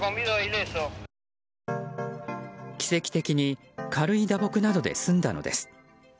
奇跡的に軽い打撲などで済んだのです。